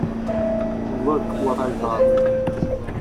Look What I Got!